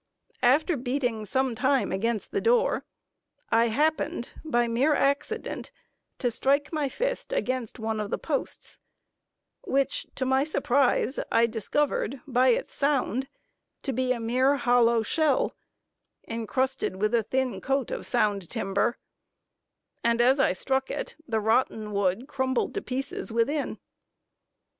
After beating some time against the door I happened, by mere accident, to strike my fist against one of the posts, which, to my surprise, I discovered by its sound, to be a mere hollow shell, encrusted with a thin coat of sound timber, and as I struck it, the rotten wood crumbled to pieces within.